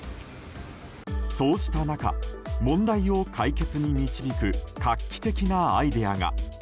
そうした中問題を解決に導く画期的なアイデアが。